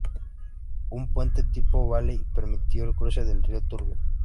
Un puente tipo Bailey permite el cruce del río Turbio.